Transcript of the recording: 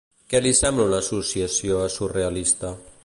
Què li sembla una associació surrealista?